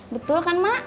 betul kan mak